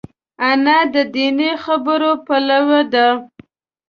انا د دیني خبرو پلوي ده